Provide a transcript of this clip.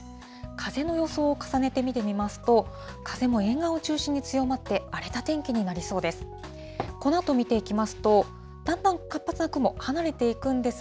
風の予想を重ねて見てみますと、風も沿岸を中心に強まって、荒れた天気になりそうです。